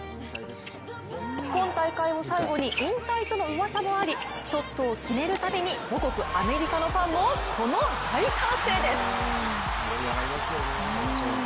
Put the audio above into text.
今大会を最後に引退とのうわさもありショットを決めるたびに母国アメリカのファンもこの大歓声です。